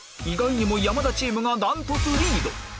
意外にも山田チームが断トツリード！